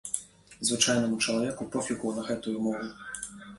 Звычайнаму чалавеку пофігу на гэтую мову.